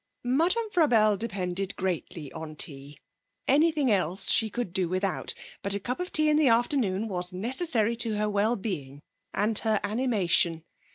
Madame Frabelle depended greatly on tea; anything else she could do without. But a cup of tea in the afternoon was necessary to her well being, and her animation.